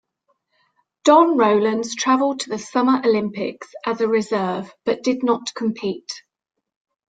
Don Rowlands travelled to the Summer Olympics as a reserve butdid not compete.